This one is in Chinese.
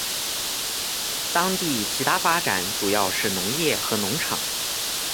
当地其它发展主要是农业和农场。